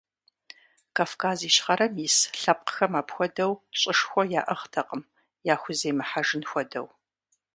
Кавказ Ищхъэрэм ис лъэпкъхэм апхуэдэу щӀышхуэ яӀыгътэкъым, яхуземыхьэжын хуэдэу.